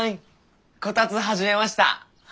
こたつ始めました！